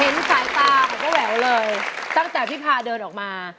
สายตาของป้าแหววเลยตั้งแต่พี่พาเดินออกมา